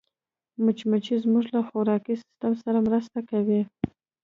مچمچۍ زموږ له خوراکي سیسټم سره مرسته کوي